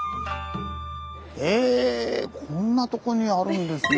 えぇこんなとこにあるんですね